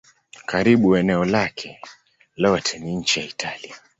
Karibu eneo lake lote ni nchi ya Italia.